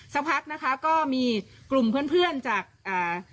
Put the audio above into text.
สักพักนะคะก็มีกลุ่มเพื่อนเพื่อนจากอ่า